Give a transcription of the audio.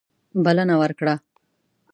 بلنه ورکړه.